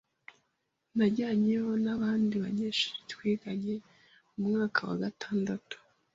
Najyanyeyo n’abandi banyeshuri twigana mu mwaka wa gatandatu